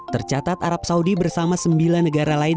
tercatat arab saudi bersama sembilan negara lain